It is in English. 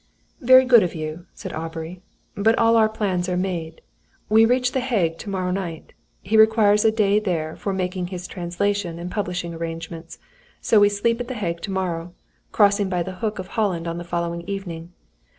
"Very good of you," said Aubrey, "but all our plans are made. We reach the Hague to morrow night. He requires a day there for making his translation and publishing arrangements. So we sleep at the Hague to morrow, crossing by the Hook of Holland on the following evening.